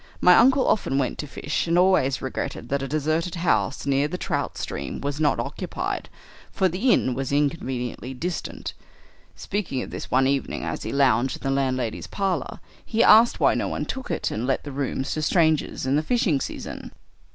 My uncle often went to fish, and always regretted that a deserted house near the trout stream was not occupied, for the inn was inconveniently distant. Speaking of this one evening as he lounged in the landlady's parlor, he asked why no one took it and let the rooms to strangers in the fishing season.